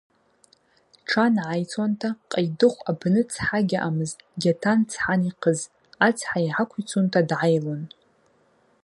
Тшан гӏайцуанта, Къайдыхв апны цхӏа гьаъамызтӏ, гьатан цхӏан йхъыз, ацхӏа йгӏаквицунта дгӏайлун.